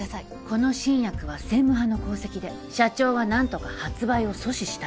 この新薬は専務派の功績で社長は何とか発売を阻止したい